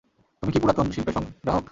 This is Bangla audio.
তুমি কি পুরাতন শিল্পের সসংগ্রাহক?